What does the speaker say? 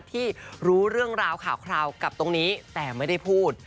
ที่รู้เรื่องราวข่าวคราวกับตรงนี้แต่ไม่ได้พูด